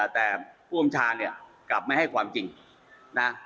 แต่ผู้อำชาเนี่ยกลับไม่ให้ความจริงนะ